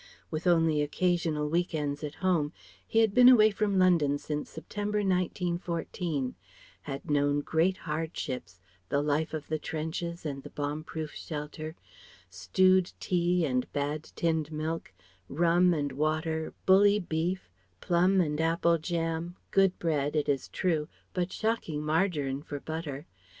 With only occasional week ends at home he had been away from London since September, 1914; had known great hardships, the life of the trenches and the bomb proof shelter, stewed tea and bad tinned milk, rum and water, bully beef, plum and apple jam, good bread, it is true, but shocking margarine for butter.